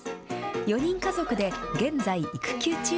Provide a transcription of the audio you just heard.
４人家族で、現在、育休中。